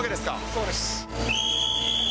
そうです。